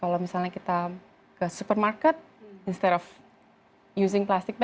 kalau misalnya kita kita mengurangi pemakaian plastik